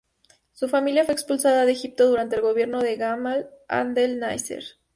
Su familia fue expulsada de Egipto durante el gobierno de Gamal Abdel Nasser.